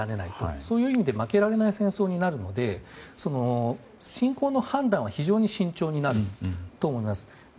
そういう意味で負けられない戦争になるので侵攻の判断は非常に慎重になります。